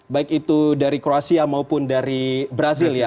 baik itu dari kroasia maupun dari brazil ya